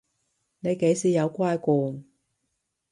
你幾時有乖過？